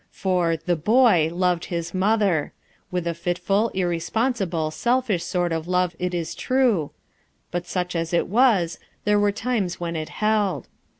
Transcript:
For "the boy" loved his mother; with a fit ' ful, irresponsible, selfish sort of love, it is true, but such as it was, there were times when it held.